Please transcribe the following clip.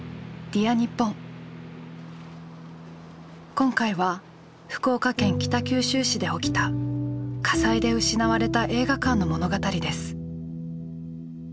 今回は福岡県北九州市で起きた火災で失われた映画館の物語です。